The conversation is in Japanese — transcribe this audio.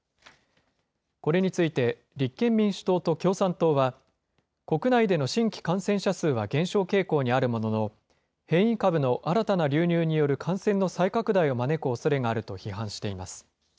これについて、立憲民主党と共産党は、国内での新規感染者数は減少傾向にあるものの、変異株の新たな流入による感染の再拡大を招くおそれがあると批判しています。